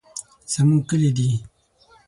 زمونږ کلي دي.